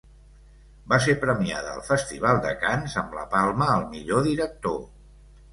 Va ser premiada al Festival de Canes amb la Palma al millor director.